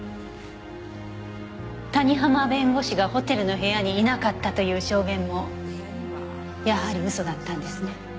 谷浜弁護士がホテルの部屋にいなかったという証言もやはり嘘だったんですね？